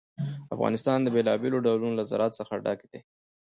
افغانستان د بېلابېلو ډولونو له زراعت څخه ډک دی.